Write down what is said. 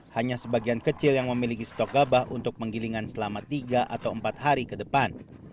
hanya sebagian kecil yang memiliki stok gabah untuk penggilingan selama tiga atau empat hari ke depan